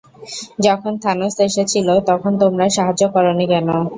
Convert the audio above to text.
যখন থানোস এসেছিল তখন তোমরা সাহায্য করোনি কেন?